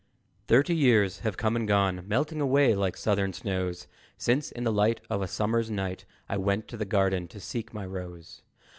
THIRTY years have come and gone, Melting away like Southern Snows, Since, in the light of a summer's night, I went to the garden to seek my Rose.